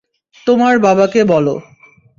তোমার বাবাকে বলো।